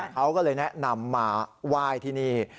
เขาก็เลยแนะนำมาไหว้ที่นี่